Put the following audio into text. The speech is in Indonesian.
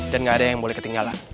dan gak ada yang boleh ketinggalan